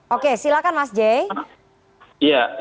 oke silakan mas jai